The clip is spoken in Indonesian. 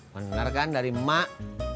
bener kan dari mak